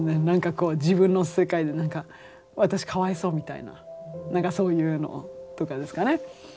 なんかこう自分の世界でなんか「私かわいそう」みたいななんかそういうのとかですかね。